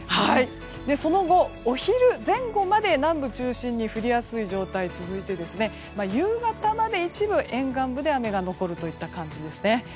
その後、お昼前後まで南部中心に降りやすい状態が続いて夕方まで一部沿岸部で雨が残るといった感じですね。